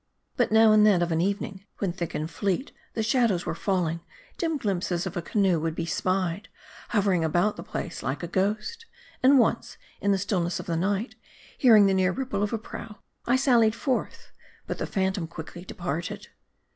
But now and then of an evening, when thick and fleet the shadows were falling, dim glimpses of a canoe would be spied ; hovering about the place like a ghost. And once, in the stillness of the night, hearing the near ripple of a prow, I sallied forth, but the phantom quickly departed.